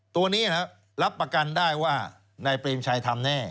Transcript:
ตัวนี้รับประกันได้ว่านายเปรมชัยทำแน่